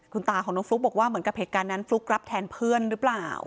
คุณตาของน้องฟลุ๊กบอกว่าเหมือนกับเหตุการณ์นั้นฟลุ๊กรับแทนเพื่อนหรือเปล่า